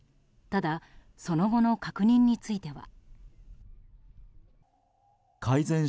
ただ、その後の確認については。